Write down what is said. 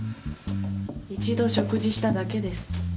一度食事しただけです。